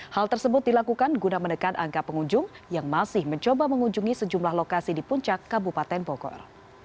hal tersebut dilakukan guna menekan angka pengunjung yang masih mencoba mengunjungi sejumlah lokasi di puncak kabupaten bogor